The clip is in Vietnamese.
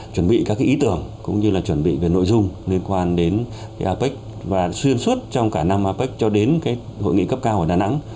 chuẩn bị các ý tưởng cũng như là chuẩn bị về nội dung liên quan đến apec và xuyên suốt trong cả năm apec cho đến hội nghị cấp cao ở đà nẵng